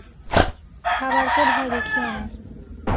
খাবারকে ভয় দেখিও না।